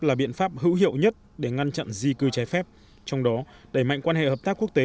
là biện pháp hữu hiệu nhất để ngăn chặn di cư trái phép trong đó đẩy mạnh quan hệ hợp tác quốc tế